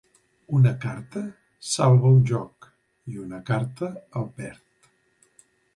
Una carta salva un joc i una carta el perd.